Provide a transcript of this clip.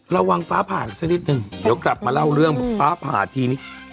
ระวังฟ้าผ่าอีกสักนิดนึงเดี๋ยวกลับมาเล่าเรื่องฟ้าผ่าทีนี้